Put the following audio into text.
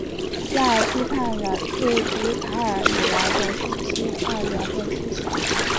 赖尔批判了自笛卡尔以来的身心二元论思想。